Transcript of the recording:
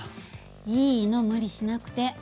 いいの無理しなくて。